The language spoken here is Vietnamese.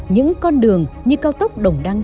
những con đường như cao tốc đồng đăng